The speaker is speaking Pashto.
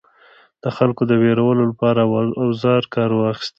د خلکو د ویرولو لپاره اوزارو کار اخیستل.